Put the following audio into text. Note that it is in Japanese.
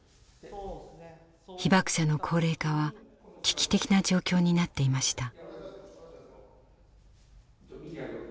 被爆者の高齢化は危機的な状況になっていました。